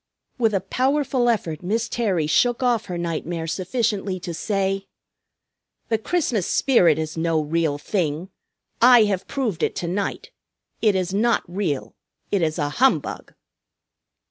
With a powerful effort Miss Terry shook off her nightmare sufficiently to say, "The Christmas spirit is no real thing. I have proved it to night. It is not real. It is a humbug!"